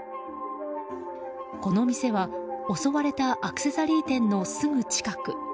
この店は、襲われたアクセサリー店のすぐ近く。